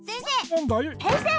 なんだい？